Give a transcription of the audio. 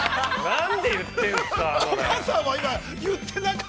何で言ってるんですか。